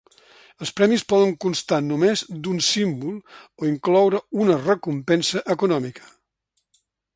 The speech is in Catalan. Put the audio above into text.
Els premis poden constar només d'un símbol o incloure una recompensa econòmica.